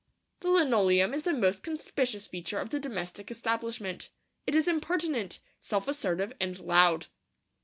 The linoleum is the most conspicuous feature of the domestic establishment. It is impertinent, self assertive, and loud.